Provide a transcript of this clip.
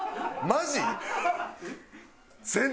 マジ？